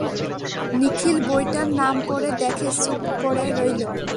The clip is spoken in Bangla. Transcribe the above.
নিখিল বইটার নাম পড়ে দেখে চুপ করে রইল।